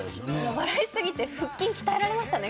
笑いすぎて腹筋鍛えられましたね